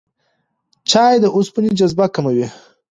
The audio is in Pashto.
چای د اوسپنې جذب کموي.